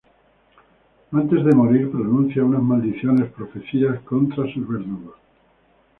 Antes de morir pronuncia unas maldiciones "profecías" contra sus verdugos.